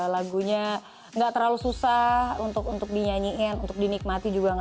lagunya gak terlalu susah untuk dinyanyiin untuk dinikmati juga